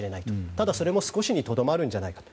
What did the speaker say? ただそれも少しにとどまるんじゃないかと。